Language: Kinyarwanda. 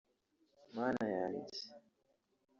Mana yanjye